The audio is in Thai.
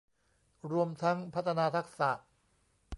รวมทั้งพัฒนาทักษะ